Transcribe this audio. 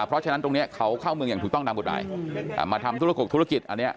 เพราะฉะนั้นตรงนี้เขาเข้าเมืองอย่างถูกต้องตามกฎหมายมาทำธุรกกธุรกิจอันนี้